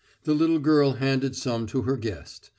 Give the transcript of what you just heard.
The little girl handed some to her guest.